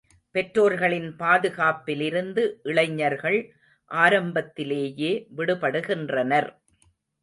பெற்றோர்களின் பாதுகாப்பிலிருந்து இளைஞர்கள் ஆரம்பத்திலேயே விடுபடுகின்றனர்.